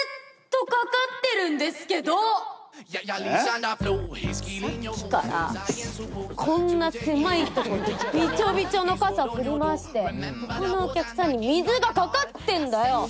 さっきからこんな狭いとこでびちょびちょの傘振り回して他のお客さんに水が掛かってんだよ。